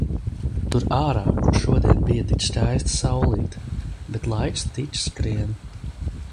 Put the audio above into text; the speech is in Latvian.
Tur ārā, kur šodien bija tik skaista saulīte. Bet laiks tik skrien.